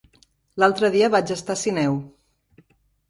L'altre dia vaig estar a Sineu.